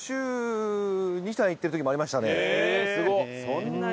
そんなに。